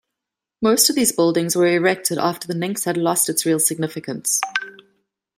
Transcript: Most of these buildings were erected after the Pnyx had lost its real significance.